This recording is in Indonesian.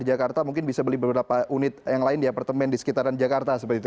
di jakarta mungkin bisa beli beberapa unit yang lain di apartemen di sekitaran jakarta seperti itu